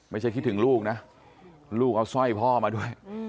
คิดถึงลูกนะลูกเอาสร้อยพ่อมาด้วย